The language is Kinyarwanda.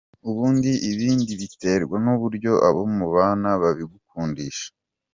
Ubundi ibindi biterwa n’uburyo abo mubana babigukundisha.